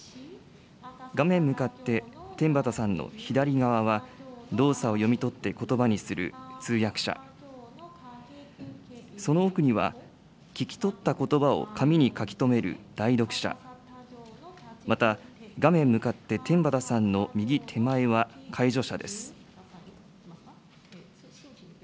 画面向かって天畠さんの左側は動作を読み取ってことばにする通訳者、その奥には、聞き取ったことばを紙に書き留める代読者、また画面向かって天畠さんの右手前は介助者です。